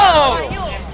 eh mbak wahyu